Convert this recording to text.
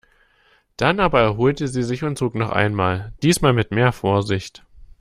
Dann aber erholte sie sich und zog noch einmal, diesmal mit mehr Vorsicht.